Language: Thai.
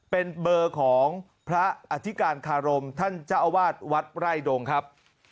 เป็นเบอร์ของพระอธิการคารมท่านเจ้าอาวาสวัดไร่ดงครับ